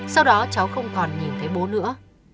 sau đó cháu không còn nhìn thấy bố nữa